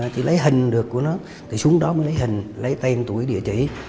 chỉ lấy hình được của nó thì xuống đó mới lấy hình lấy tên tuổi địa chỉ